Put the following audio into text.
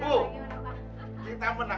bu kita menang